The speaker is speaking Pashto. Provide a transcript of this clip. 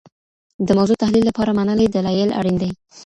د موضوع تحلیل لپاره منلي دلایل اړین دي.